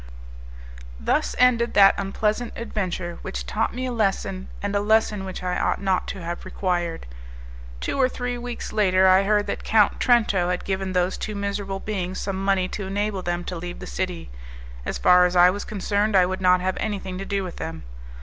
Thus ended that unpleasant adventure, which taught me a lesson, and a lesson which I ought not to have required. Two or three weeks later, I heard that Count Trento had given those two miserable beings some money to enable them to leave the city; as far as I was concerned, I would not have anything to do with them.